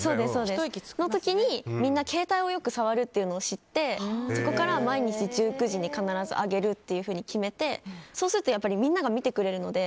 その時に、みんな携帯をよく触るというのを知ってそこから毎日１９時に必ず上げるっていうふうに決めてそうするとみんな見てくれるので。